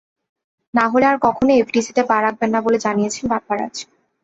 না হলে আর কখনোই এফডিসিতে পা রাখবেন না বলে জানিয়েছেন বাপ্পারাজ।